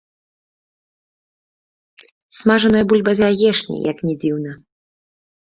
Смажаная бульба з яечняй, як ні дзіўна.